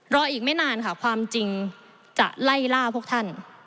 รออีกไม่นานค่ะความจริงจะไล่ล่าพวกท่าน